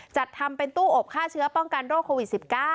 จัดทำเป็นตู้อบฆ่าเชื้อป้องกันโรคโควิด๑๙